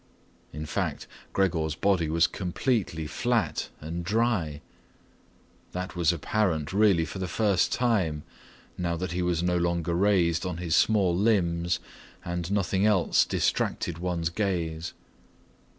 In fact, Gregor's body was completely flat and dry. That was apparent really for the first time, now that he was no longer raised on his small limbs and nothing else distracted one's gaze.